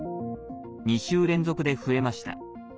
２週連続で増えました。